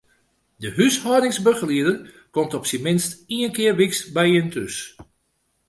De húshâldingsbegelieder komt op syn minst ien kear wyks by jin thús.